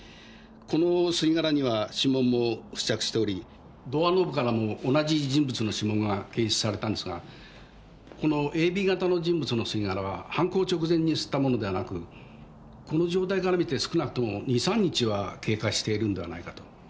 この吸い殻には指紋も付着しておりドアノブからも同じ人物の指紋が検出されたんですがこのＡＢ型の人物の吸い殻は犯行直前に吸ったものではなくこの状態から見て少なくとも２３日は経過しているんではないかと。